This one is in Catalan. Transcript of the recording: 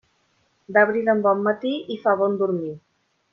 D'abril en bon matí, hi fa bon dormir.